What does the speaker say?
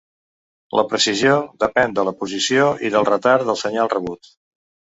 La precisió depèn de la posició i del retard del senyal rebut.